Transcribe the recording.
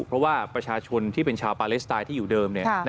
เพราะว่าประชาชนที่เป็นชาวปาเลสไตน์ที่อยู่เดิม